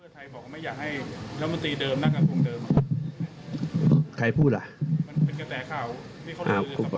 ไทยบอกว่าไม่อยากให้รัมตีเดิมนั่งครั้งเดิมใครพูดอ่ะ